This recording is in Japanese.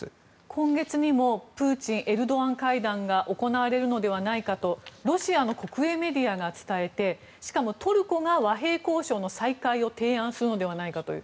今月にもプーチン、エルドアン会談が行われるのではないかとロシアの国営メディアが伝えてしかも、トルコが和平交渉の再開を提案するのではないかという。